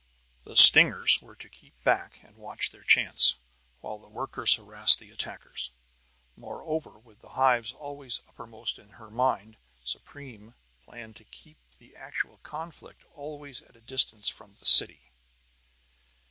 The stingers were to keep back and watch their chance, while the workers harrassed the attackers. Moreover, with the hives always uppermost in her mind, Supreme planned to keep the actual conflict always at a distance from the "city."